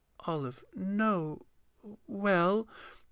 OLIVE. No, well....